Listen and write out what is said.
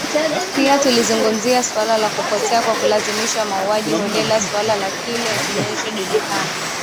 Pia tulizungumzia suala la kupotea kwa kulazimishwa mauaji holela suala la kile kinachojulikana